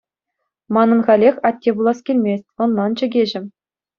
Манӑн халех атте пулас килмест, ӑнлан, чӗкеҫӗм.